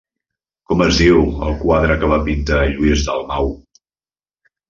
Com es diu el quadre que va pintar Lluís Dalmau?